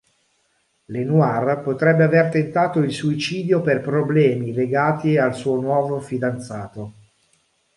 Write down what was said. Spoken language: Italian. Lenoir potrebbe aver tentato il suicidio per problemi legati al suo nuovo fidanzato.